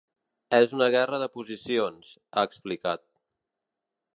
És una guerra de posicions, ha explicat.